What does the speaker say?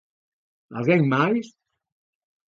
Alguén mais?